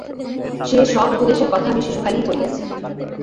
সে-সব উপদেশের কথা আমি শিশুকালেই পড়িয়াছি।